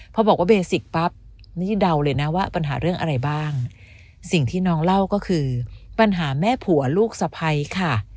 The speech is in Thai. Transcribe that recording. พอบอกว่าเบสิกปั๊บนี่เดาเลยนะว่าปัญหาเรื่องอะไรบ้างสิ่งที่น้องเล่าก็คือปัญหาแม่ผัวลูกสะพัยค่ะ